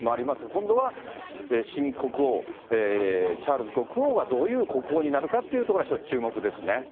今度は、新国王、チャールズ国王が、どういう国王になるかっていうところが一つ注目ですね。